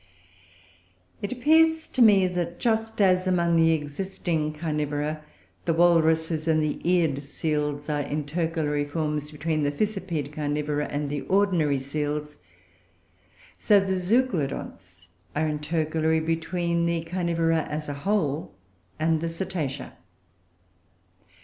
It appears to me that, just as among the existing Carnivora, the walruses and the eared seals are intercalary forms between the fissipede Carnivora and the ordinary seals, so the Zeuglodonts are intercalary between the Carnivora, as a whole, and the Cetacea.